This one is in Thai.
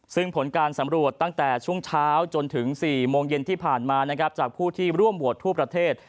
ซึ่งผลการสำรวจตั้งแต่ช่วงเช้าจนถึง๔โมงเย็นที่ผ่านมานะครับจากผู้ที่ร่วมโหวตทั่วประเทศ